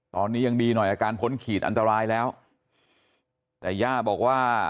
ตอนนี้ยังดีหน่อยอาการพ้นขีดอันตรายแล้วแต่ย่าบอกว่า